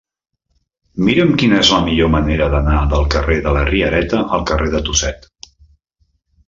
Mira'm quina és la millor manera d'anar del carrer de la Riereta al carrer de Tuset.